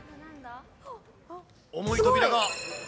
重い扉が。